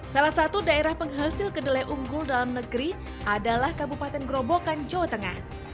salah satu daerah penghasil kedelai unggul dalam negeri adalah kabupaten gerobokan jawa tengah